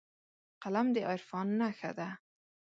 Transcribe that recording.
قلم د عرفان نښه ده